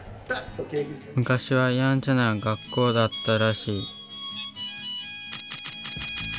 昔はやんちゃな学校だったらしい。